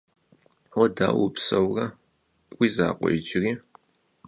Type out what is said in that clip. Уэ дауэ упсэурэ? Уи закъуэ иджыри?